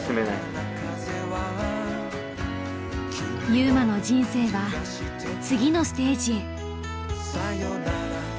優真の人生は次のステージへ。